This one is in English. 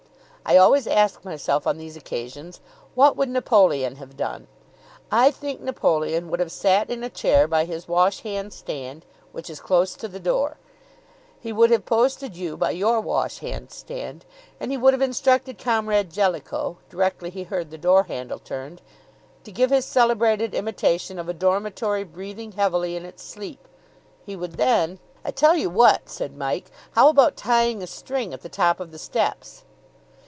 I always ask myself on these occasions, 'What would Napoleon have done?' I think Napoleon would have sat in a chair by his washhand stand, which is close to the door; he would have posted you by your washhand stand, and he would have instructed Comrade Jellicoe, directly he heard the door handle turned, to give his celebrated imitation of a dormitory breathing heavily in its sleep. He would then " "I tell you what," said Mike, "how about tying a string at the top of the steps?"